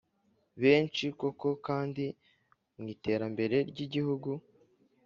benshi koko kandi mu terambere ry igihugu